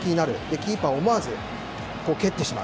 キーパーは思わず蹴ってしまう。